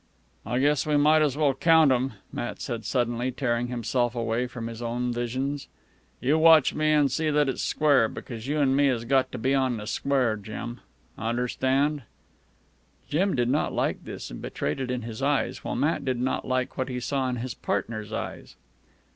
"I guess we might as well count 'em," Matt said suddenly, tearing himself away from his own visions. "You watch me an' see that it's square, because you an' me has got to be on the square, Jim. Understand?" Jim did not like this, and betrayed it in his eyes, while Matt did not like what he saw in his partner's eyes.